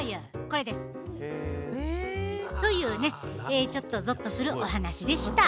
これです。というねちょっとぞっとするお話でした。